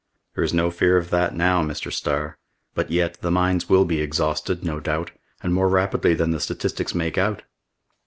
"There is no fear of that now, Mr. Starr. But yet, the mines will be exhausted, no doubt, and more rapidly than the statistics make out!"